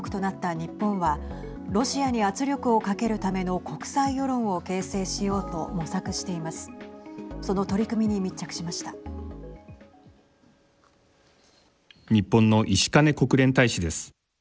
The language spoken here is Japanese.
日本の石兼国連大使です。